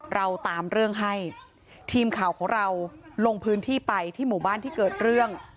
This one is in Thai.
เราตามเรื่องให้ทีมข่าวของเราลงพื้นที่ไปที่หมู่บ้านที่เกิดเรื่อง